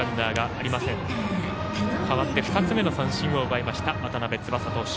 ２つ目の三振を奪いました渡邉翼投手。